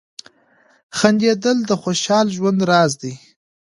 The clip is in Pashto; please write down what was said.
• خندېدل د خوشال ژوند راز دی.